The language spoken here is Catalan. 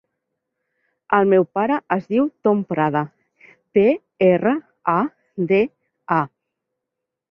El meu pare es diu Tom Prada: pe, erra, a, de, a.